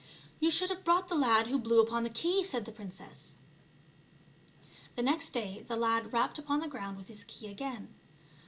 " You should have brought the lad who blew upon the key," said the princess. The next day the lad rapped upon the ground with his key again.